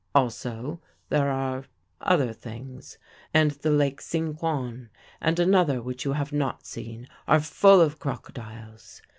Also there are other things; and the lake Sinquan, and another which you have not seen, are full of crocodiles.'